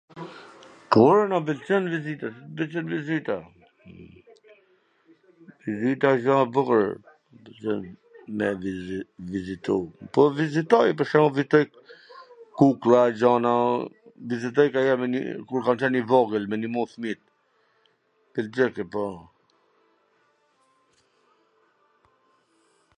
Po, ore, na pwlqen vizita, na pwlqen vizita, vizita asht gja e bukur, me vizi... vizitu, po vizitoj, pwr shembull, vizitoj kuklla e gjana, vizitoj kanjer kur kam qwn i vogwl, me ndihmu fmijt,